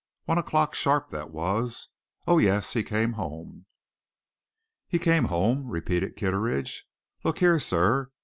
One o'clock sharp, that was. Oh, yes, he came home!" "He came home," repeated Kitteridge. "Look here, sir."